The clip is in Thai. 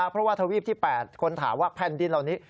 เพราะว่าทวีปที่๘คนถามว่าแผ่นดินเหล่านี้